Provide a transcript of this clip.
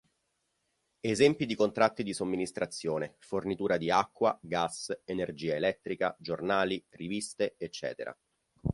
Esempi di contratti di somministrazione: fornitura di acqua, gas, energia elettrica, giornali, riviste, ecc.